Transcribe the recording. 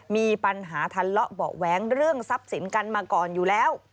มีปัญหาทะเลาะเบาะแว้งเรื่องทรัพย์สินกันมาก่อนอยู่แล้ว